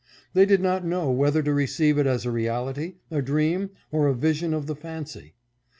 They did not know whether to receive it as a reality, a dream, or a vision of the fancy.